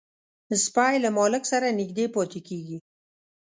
سپي له مالک سره نږدې پاتې کېږي.